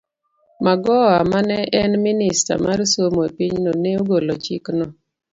Magoha, ma ne en Minista mar somo e pinyno, ne ogolo chikno.